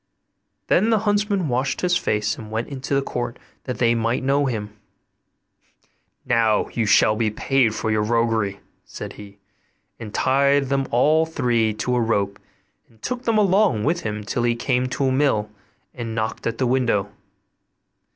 Then the huntsman washed his face and went into the court that they might know him. 'Now you shall be paid for your roguery,' said he; and tied them all three to a rope and took them along with him till he came to a mill and knocked at the window.